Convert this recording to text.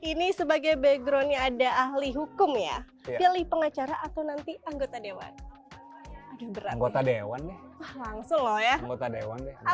ini sebagai backgroundnya ada ahli hukum ya pilih pengacara atau nanti anggota dewan